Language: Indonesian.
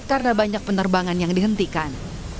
karena banyak penerbangan yang dihentikan